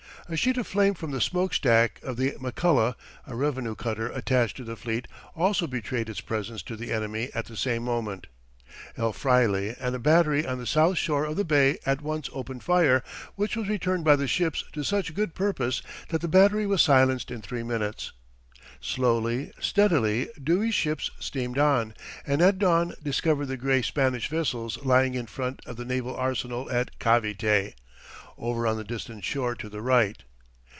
A sheet of flame from the smokestack of the McCulloch, a revenue cutter attached to the fleet, also betrayed its presence to the enemy at the same moment. El Fraile and a battery on the south shore of the bay at once opened fire, which was returned by the ships to such good purpose that the battery was silenced in three minutes. Slowly, steadily, Dewey's ships steamed on, and at dawn discovered the gray Spanish vessels lying in front of the naval arsenal at Cavite, over on the distant shore to the right.